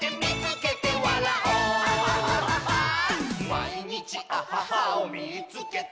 「まいにちアハハをみいつけた！」